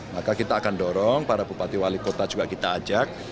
maka kita akan dorong para bupati wali kota juga kita ajak